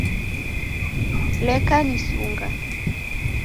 Leka nisunga